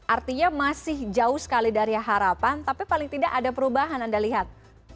artinya masih jauh sekali dari harapan tapi paling tidak ada perubahan anda lihat